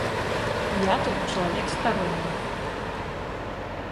Я тут чалавек старонні.